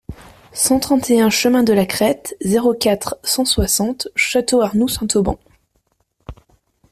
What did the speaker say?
cent trente et un chemin de la Crête, zéro quatre, cent soixante, Château-Arnoux-Saint-Auban